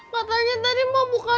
pak tangan tadi mau buka